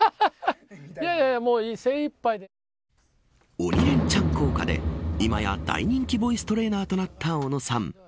鬼レンチャン効果で今や大人気ボイストレーナーとなった小野さん。